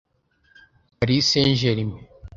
Paris Saint – Germain